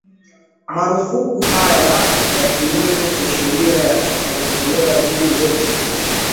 Marufuku haya ya kinyume cha sharia yanatolewa dhidi yetu